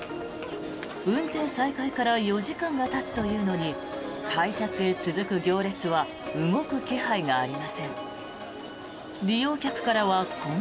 運転再開から４時間がたつというのに改札へ続く行列は動く気配がありません。